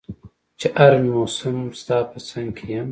چي هر مسم ستا په څنګ کي يم